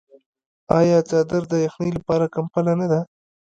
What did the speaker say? آیا څادر د یخنۍ لپاره کمپله نه ده؟